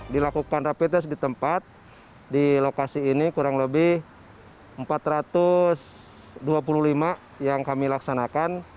dilakukan rapid test di tempat di lokasi ini kurang lebih empat ratus dua puluh lima yang kami laksanakan